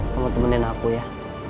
kamu temenin aku ya